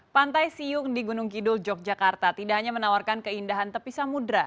pantai siung di gunung kidul yogyakarta tidak hanya menawarkan keindahan tepi samudera